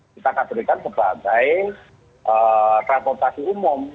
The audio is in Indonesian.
kita akan berikan sebagai transportasi umum